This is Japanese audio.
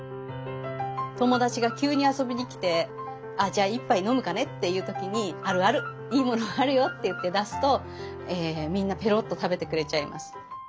友達が急に遊びに来て「あじゃあ１杯飲むかね」っていう時に「あるあるいいものあるよ」って言って出すとみんなぺろっと食べてくれちゃいます。